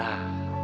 udah jam sepuluh